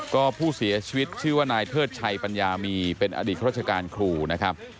ก็ผู้เสียชีวิตชื่อว่านายเทิดชัยปัญญามีเป็นอดีตราชการครูนะครับ